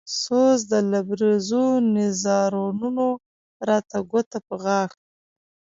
سوز د لبرېزو نيزارونو راته ګوته په غاښ